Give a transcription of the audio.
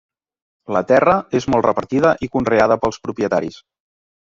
La terra és molt repartida i conreada pels propietaris.